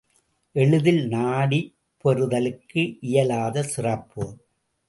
எளிதில் நாடிப் பெறுதலுக்கு இயலாத சிறப்பு!